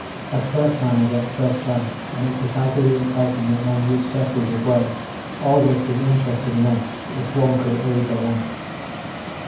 As first man I get first chance, and it's decidedly exciting not knowing which step will give way. Still all this is interesting enough if one could only go on.